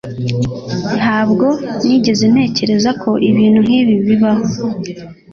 Ntabwo nigeze ntekereza ko ibintu nkibi bibaho